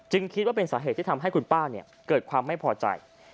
คิดว่าเป็นสาเหตุที่ทำให้คุณป้าเกิดความไม่พอใจ